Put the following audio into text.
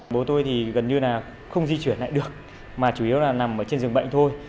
bố tôi thì gần như là không di chuyển lại được mà chủ yếu là nằm trên giường bệnh thôi